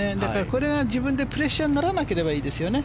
これが自分でプレッシャーにならなければいいですよね